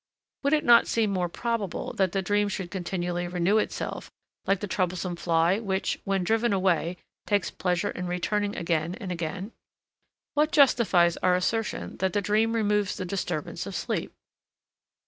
Would it not seem more probable that the dream should continually renew itself, like the troublesome fly which, when driven away, takes pleasure in returning again and again? What justifies our assertion that the dream removes the disturbance of sleep?